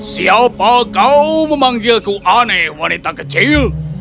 siapa kau memanggilku aneh wanita kecil